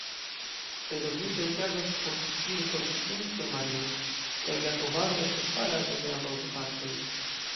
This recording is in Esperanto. Eloviĝo okazas post ĉirkaŭ kvin semajnoj, kaj la kovado estas farata de ambaŭ gepatroj.